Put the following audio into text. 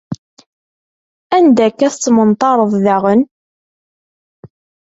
Anida akk-a ay tettmenṭareḍ daɣen?